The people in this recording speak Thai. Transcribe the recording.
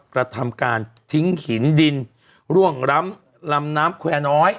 กระทำทิ้งหินดินร่วงลำน้ำแคว่น้อย